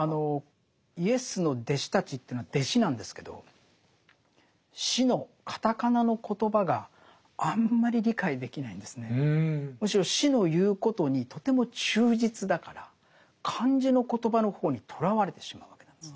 イエスの弟子たちというのは弟子なんですけどむしろ師の言うことにとても忠実だから漢字の言葉の方にとらわれてしまうわけなんです。